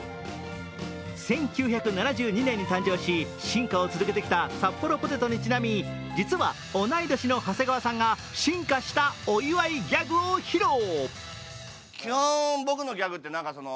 １９７２年に誕生し、進化を続けてきたサッポロポテトにちなみ実は同い年の長谷川さんが進化したお祝いギャグを披露。